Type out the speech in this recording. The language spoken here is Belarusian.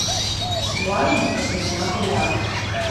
Важна, каб яна была.